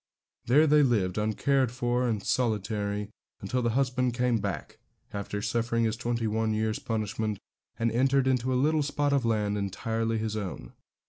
There they lived, uncared for and solitary, until the husband came back, after suffering his twenty one years' punishment, and entered into a little spot of land entirely his own.